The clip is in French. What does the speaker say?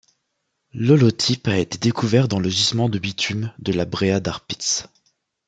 L'holotype a été découvert dans le gisement de bitume de La Brea Tar Pits.